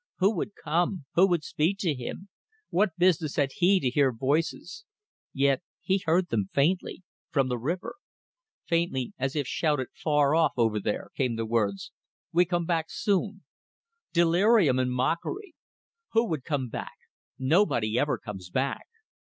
Who would come? Who would speak to him? What business had he to hear voices? ... yet he heard them faintly, from the river. Faintly, as if shouted far off over there, came the words "We come back soon." ... Delirium and mockery! Who would come back? Nobody ever comes back!